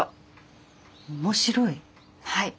はい。